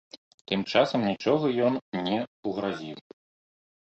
Тым часам нічога ён не ўгразіў.